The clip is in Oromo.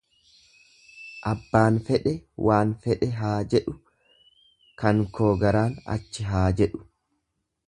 Abbaan fedhe waan fedhe haa jedhu kan koo garaan achi haa jedhu.